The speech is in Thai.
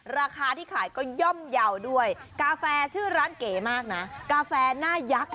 ราคาที่ขายก็ย่อมเยาว์ด้วยกาแฟชื่อร้านเก๋มากนะกาแฟหน้ายักษ์